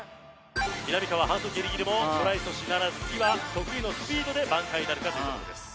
みなみかわ反則ギリギリもトライ阻止ならず次は得意のスピードで挽回なるかというところです